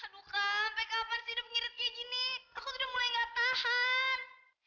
aduh kak sampe kapan sih hidup ngirit kayak gini aku sudah mulai gak tahan